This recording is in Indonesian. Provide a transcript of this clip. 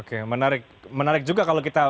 oke menarik menarik juga kalau kita